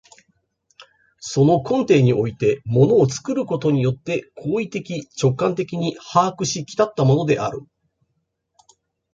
その根底において物を作ることによって行為的直観的に把握し来ったものである。